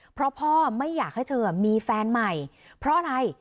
เพราะพ่อไม่อยากให้เธอมีแฟนใหม่เพราะอะไร